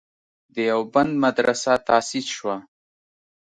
دیوبند مدرسه تاسیس شوه.